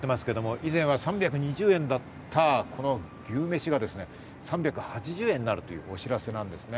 以前は３２０円だったこの牛めしがですね、３８０円になるというお知らせですね。